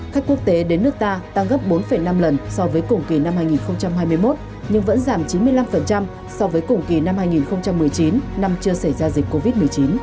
khách quốc tế đến nước ta tăng gấp bốn năm lần so với cùng kỳ năm hai nghìn hai mươi một nhưng vẫn giảm chín mươi năm so với cùng kỳ năm hai nghìn một mươi chín năm chưa xảy ra dịch covid một mươi chín